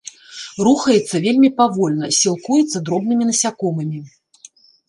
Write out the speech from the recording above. Рухаецца вельмі павольна, сілкуецца дробнымі насякомымі.